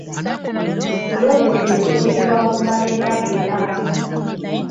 Pulojekiti esuubirwa okumala emyaka etaano.